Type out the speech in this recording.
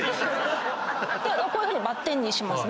こういうふうにバッテンにしますね。